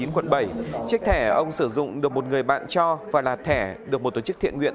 quận bảy chiếc thẻ ông sử dụng được một người bạn cho và là thẻ được một tổ chức thiện nguyện